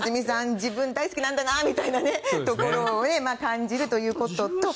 自分大好きなんだなみたいなところを感じるということと。